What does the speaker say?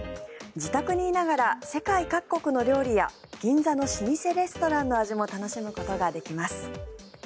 自宅にいながら世界各国の料理や銀座の老舗レストランの味も楽しむことができます。